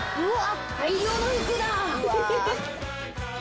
うわ。